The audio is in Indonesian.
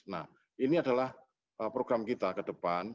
nah ini adalah program kita ke depan